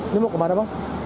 ini mau kemana bang